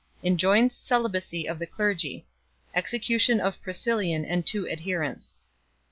Enjoins celibacy of the clergy. Execution of Priscillian and two adherents.